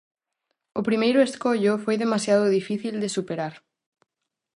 O primeiro escollo, foi demasiado difícil de superar.